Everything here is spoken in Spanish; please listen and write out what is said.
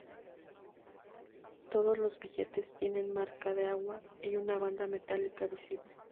Todos los billetes tienen marca de agua y una banda metálica visible.